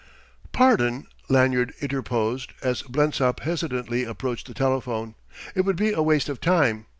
"Pardon," Lanyard interposed as Blensop hesitantly approached the telephone. "It would be a waste of time.